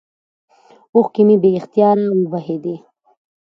اوښکې مې بې اختياره وبهېدې.